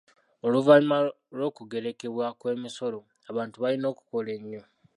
Oluvannyuma lw’okugerekebwa kw’emisolo, abantu balina okukola ennyo.